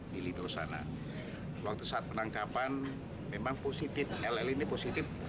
di lido sana waktu saat penangkapan memang positif ll ini positif